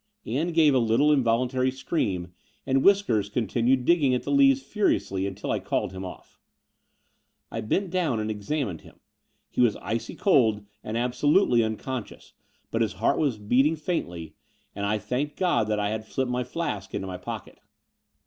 ^ Ann gave a little involuntary scream; and Whiskers continued digging at the leaves furiously until I called him off. I bent down and examined him. He was icy cold and absolutely unconscious, but his heart was beating faintly; and I thanked God that I had slipped my flask into my pocket.